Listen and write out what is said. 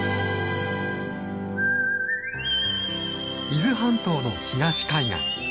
伊豆半島の東海岸。